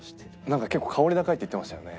なんか結構香り高いって言ってましたよね。